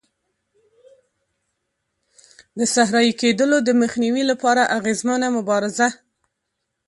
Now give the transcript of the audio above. د صحرایې کېدلو د مخنیوي لپاره اغېزمنه مبارزه.